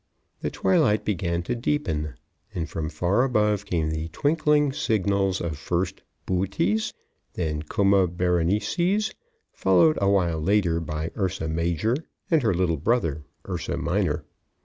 The twilight began to deepen and from far above came the twinkling signals of, first, Böotes, then Coma Berenices, followed, awhile later, by Ursa Major and her little brother, Ursa Minor.